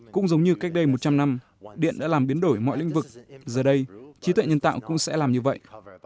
cũng giống như cách đây một trăm linh năm điện đã làm biến đổi mọi lĩnh vực giờ đây trí tuệ nhân tạo cũng sẽ làm như vậy